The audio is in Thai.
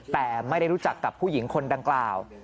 แต่ไม่ได้รู้จักกับผู้หญิงคนดังกล่าว